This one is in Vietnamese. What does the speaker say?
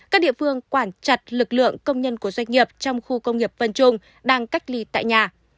các địa phương quản chặt lực lượng công nhân của doanh nghiệp trong khu công nghiệp vân trung đang cách ly tại nhà